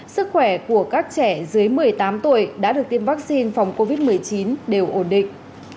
sức khỏe của các trẻ dưới một mươi tám tuổi đã được tiêm vaccine phòng covid một mươi chín đều ổn định